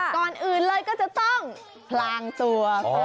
ก่อนอื่นเลยก็จะต้องพลางตัว